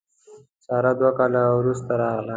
ساره دوه کاله وروسته راغله.